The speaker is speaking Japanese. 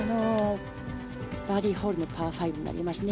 バーディーホールのパー５になりますね。